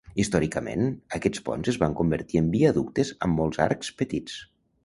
Històricament, aquests ponts es van convertir en viaductes amb molts arcs petits.